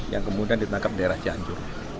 yang kemudian ditangkap dari tni